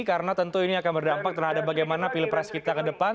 karena tentu ini akan berdampak terhadap bagaimana pilih pres kita ke depan